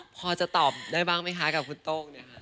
พอจะตอบได้บ้างไหมคะกับคุณโต้งเนี่ยค่ะ